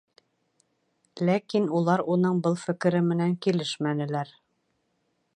Ләкин улар уның был фекере менән килешмәнеләр.